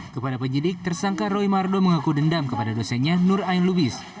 kepada penyidik tersangka roy mardo mengaku dendam kepada dosennya nur ain lubis